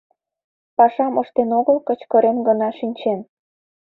Пашам ыштен огыл, кычкырен гына шинчен.